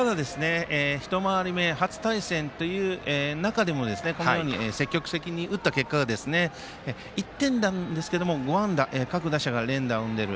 一回り目の初対戦という中で積極的に打った結果が１点なんですけど、５安打各打者が連打を生んでいる。